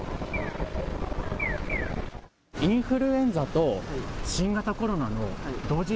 インフルエンザと新型コロナの同時